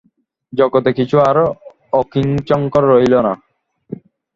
জগতে কিছু আর অকিঞ্চিৎকর রহিল না।